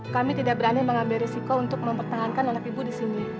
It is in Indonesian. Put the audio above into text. kami tidak berani mengambil risiko untuk mempertahankan anak ibu di sini